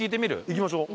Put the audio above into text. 行きましょう。